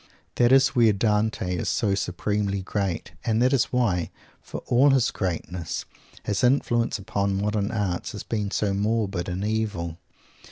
That is where Dante is so supremely great. And that is why, for all his greatness, his influence upon modern art has been so morbid and evil.